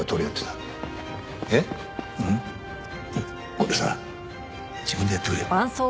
これさ自分でやってくれよ。